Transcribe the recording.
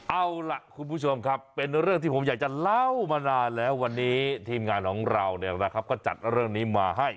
เอาล่ะคุณผู้ชมครับเป็นเรื่องที่ผมอยากจะเล่ามานานแล้ววันนี้ทีมงานของเราก็จัดเรื่องนี้มาให้